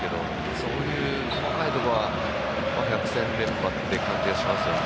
そういう細かいところは百戦錬磨という感じがしますね。